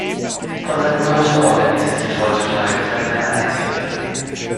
Von seinen großen Orgeln existiert heutzutage deshalb keine einzige mehr.